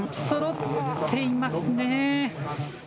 そろっていますね。